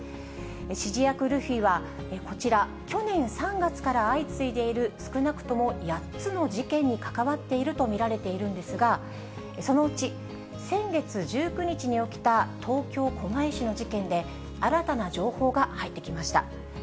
指示役、ルフィは、こちら、去年３月から相次いでいる少なくとも８つの事件に関わっていると見られているんですが、そのうち先月１９日に起きた東京・狛江市の事件で、新たな情報が入ってきました。